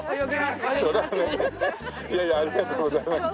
それはねいやいやありがとうございました。